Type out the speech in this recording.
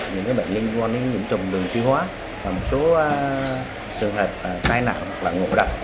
những bệnh liên quan đến những trùng đường tiêu hóa và một số trường hợp tai nạn hoặc ngộ đập